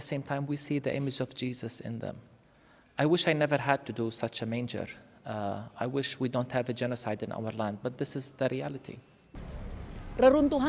kami berpengaruh melihat dunia yang menjadikan mereka membunuh